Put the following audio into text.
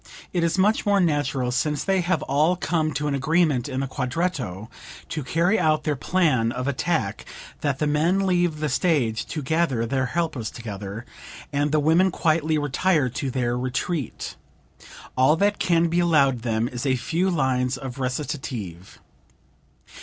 "It is much more natural, since they have all come to an agreement in the quartetto to carry out their plan of attack that the men leave the stage to gather their helpers together, and the women quietly retire to their retreat. All that can be allowed them is a few lines of recitative."